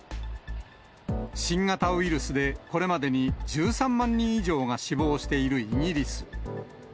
新型ウイルスでこれまでに１３万人以上が死亡しているイギリス。